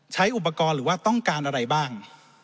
ใช้อุปกรณ์หรือว่าต้องการอะไรบ้าง